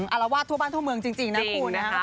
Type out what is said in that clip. อารวาสทั่วบ้านทั่วเมืองจริงนะคุณนะครับ